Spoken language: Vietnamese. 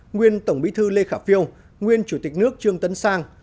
nguyên tổng bí thư lê khả phiêu nguyên chủ tịch nước trương tấn sang